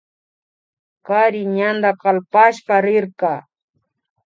Kari ñanda kalpashpa rirka